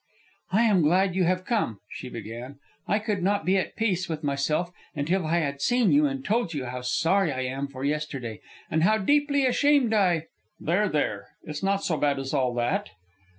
"I am glad you have come," she began. "I could not be at peace with myself until I had seen you and told you how sorry I am for yesterday, and how deeply ashamed I " "There, there. It's not so bad as all that."